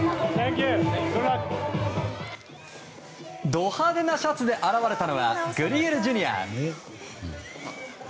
ド派手なシャツで現れたのは、グリエルＪｒ．。